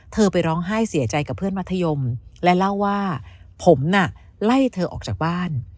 ไปร้องไห้เสียใจกับเพื่อนมัธยมและเล่าว่าผมน่ะไล่เธอออกจากบ้าน